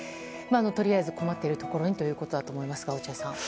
とりあえず困っているところにということだと思いますが落合さん。